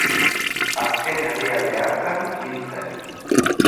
Azken herrialde hartan hil zen.